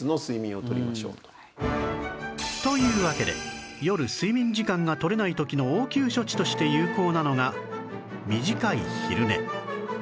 というわけで夜睡眠時間がとれない時の応急処置として有効なのが短い昼寝